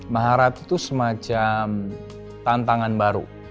maharap itu semacam tantangan baru